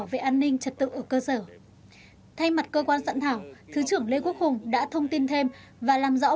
lê quốc hùng đã thông tin thêm và làm rõ